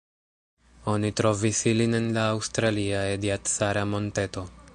Oni trovis ilin en la aŭstralia Ediacara-monteto.